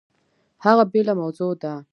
هغه بېله موضوع ده!